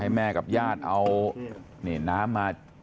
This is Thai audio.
ให้แม่กับญาติเอานี่น้ำมา